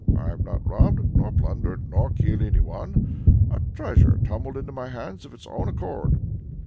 I have not robbed, nor plundered, nor killed anyone. A treasure tumbled into my hands of its own accord."